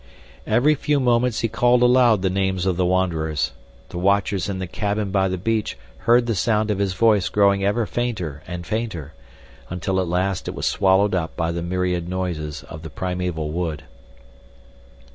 Every few moments he called aloud the names of the wanderers. The watchers in the cabin by the beach heard the sound of his voice growing ever fainter and fainter, until at last it was swallowed up by the myriad noises of the primeval wood.